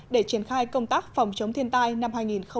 để triển khai công tác phòng chống thiên tai năm hai nghìn một mươi bảy